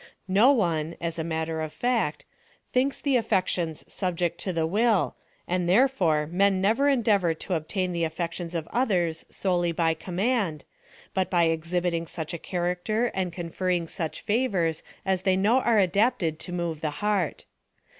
No one, (as a matter or fact) thinks the affections subject to the will, and, therefore, men never endeavor to obtain the affections of others solely by command, but by exhibiting such a char acter and conferring such favors as they know are adapted to move the heart.